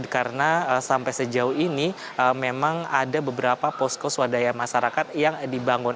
karena sampai sejauh ini memang ada beberapa posko swadaya masyarakat yang dibangun